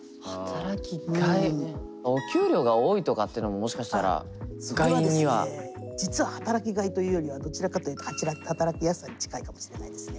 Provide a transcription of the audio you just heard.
お給料が多いとかってのももしかしたら「がい」には。そこがですね実は働きがいというよりはどちらかというと働きやすさに近いかもしれないですね。